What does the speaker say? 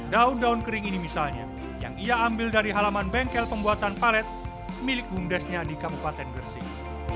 daun daun kering ini misalnya yang ia ambil dari halaman bengkel pembuatan palet milik bumdesnya di kabupaten gresik